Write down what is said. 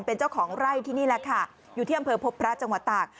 เป็นเจ้าของไร่ที่นี่แหละค่ะอยู่ที่อำเภอพบพระจังหวัดตาก